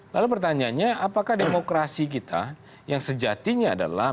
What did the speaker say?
lalu pertanyaannya apakah demokrasi kita yang sejatinya adalah